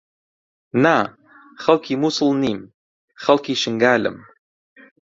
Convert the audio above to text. نا، خەڵکی مووسڵ نیم، خەڵکی شنگالم.